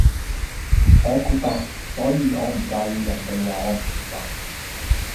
我豁達，所以我唔介意人地話我唔豁達